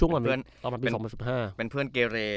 เป็นเพื่อนเกเร